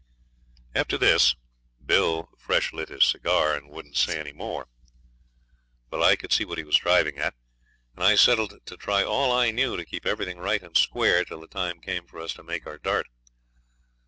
After this Bill fresh lit his cigar, and wouldn't say any more. But I could see what he was driving at, and I settled to try all I knew to keep everything right and square till the time came for us to make our dart.